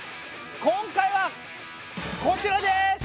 今回はこちらです！